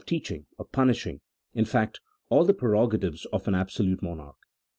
teaching, of punishing — in fact, all the prerogatives of an absolute monarch.